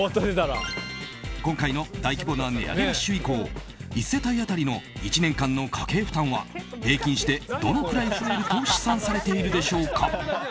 今回の大規模な値上げラッシュ以降１世帯当たりの１年間の家計負担は平均して、どのくらい増えると試算されているでしょうか。